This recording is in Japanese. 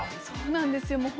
そうなんですよ